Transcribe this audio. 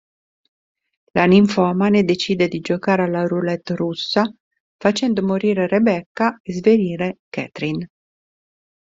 La ninfomane decide di giocare alla roulette russa, facendo morire Rebecca e svenire Catherine.